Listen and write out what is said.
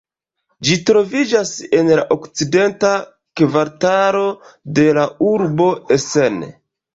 Ĝi troviĝas en la Okcidenta Kvartalo de la urbo Essen.